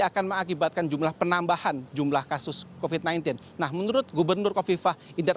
akan mengakibatkan jumlah penambahan jumlah kasus covid sembilan belas nah menurut gubernur kofifah indar